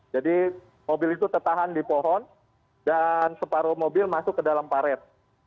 jadi mobil itu tertahan di pohon dan separuh mobil masuk ke dalam paret